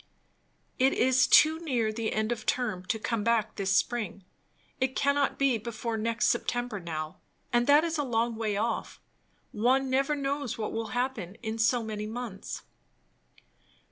"It is too near the end of term, to come back this spring. It cannot be before next September now; and that is a long way off. One never knows what will happen in so many months!"